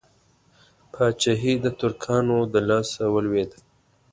پاچهي د ترکانو د لاسه ولوېده.